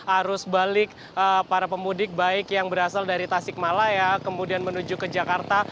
arus balik para pemudik baik yang berasal dari tasikmalaya kemudian menuju ke jakarta